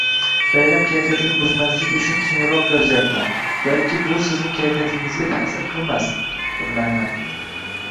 Bayram kayfiyatini buzmaslik uchun keyinroq yozyapman. Balki bu sizning kayfiyatingizga ta'sir qilmas, bilmayman...